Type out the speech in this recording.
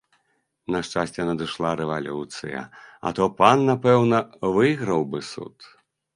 На шчасце надышла рэвалюцыя, а то пан напэўна выйграў бы суд.